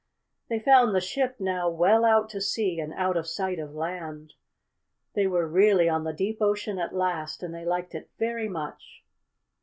They found the ship now well out to sea, and out of sight of land. They were really on the deep ocean at last, and they liked it very much.